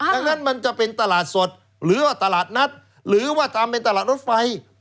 ดังนั้นมันจะเป็นตลาดสดหรือว่าตลาดนัดหรือว่าตามเป็นตลาดรถไฟ